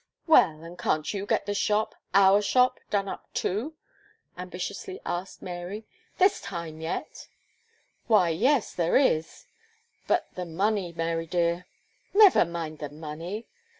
"Well, and can't you get the shop our shop done up too?" ambitiously asked Mary. "There's time yet." "Why yes, there is but the money, Mary dear!" "Never mind the money."